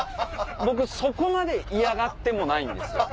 僕そこまで嫌がってもないんですよ。